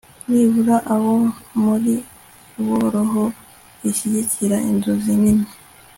Nibura abo muri bo roho ishyigikira inzozi nini